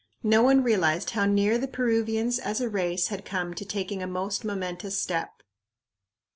No one realized how near the Peruvians as a race had come to taking a most momentous step.